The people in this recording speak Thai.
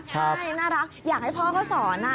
ใช่น่ารักอยากให้พ่อเขาสอน